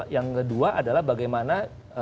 yang kedua adalah bagaimana